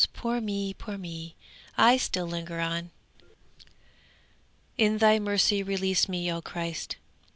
Poor me! poor me! I still linger on. In Thy mercy release me, O Christ!'